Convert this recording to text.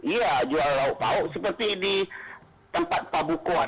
iya jual lauk pauk seperti di tempat pabukuan